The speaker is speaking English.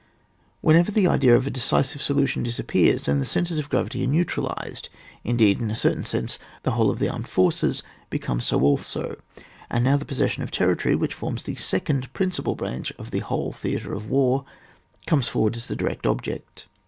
Whenever the idea of a decisive solution disappears, then the centres of gravity are neutralised, indeed, in a certain sense, the whole of the armed forcesbecome so also, and now the possession of terri tory, which forms the second principal branch of the whole theatre of war, comes forward as the direct object.